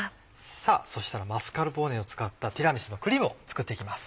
さぁそしたらマスカルポーネを使ったティラミスのクリームを作って行きます。